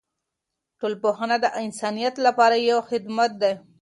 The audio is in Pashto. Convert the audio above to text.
ټولنپوهنه د انسانیت لپاره یو خدمت دی.